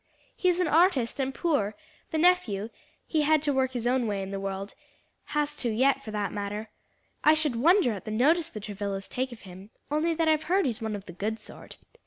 He's an artist and poor the nephew he had to work his own way in the world; has to yet for that matter. I should wonder at the notice the Travillas take of him, only that I've heard he's one of the good sort.